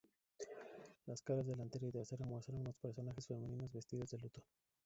Las caras delantera y trasera muestran unos personajes femeninos vestidos de luto.